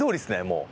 もう。